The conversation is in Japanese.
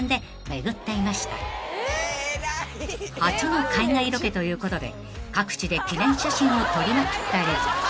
［初の海外ロケということで各地で記念写真を撮りまくったり］